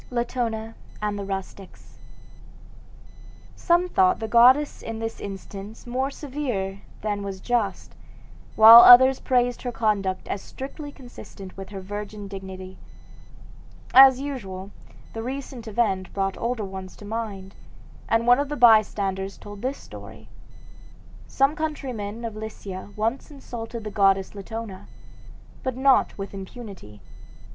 LATONA AND THE RUSTICS Some thought the goddess in this instance more severe than was just, while others praised her conduct as strictly consistent with her virgin dignity. As, usual, the recent event brought older ones to mind, and one of the bystanders told this story: "Some countrymen of Lycia once insulted the goddess Latona, but not with impunity.